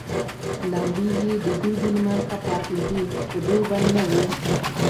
لمبې يې د دوبي لمر ته پاتېدې خو دوبی نه وو.